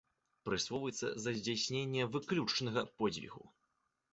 Прысвойваецца за здзяйсненне выключнага подзвігу.